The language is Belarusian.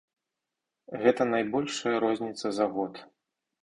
Гэта найбольшая розніца за год.